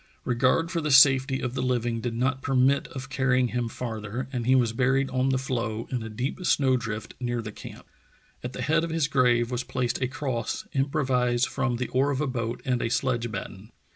Regard for the safety of the living did not permit of carrying him far ther, and he was buried on the floe, in a deep snow drift near the camp. At the head of his grave was placed a cross improvised from the oar of a boat and a sledge batten.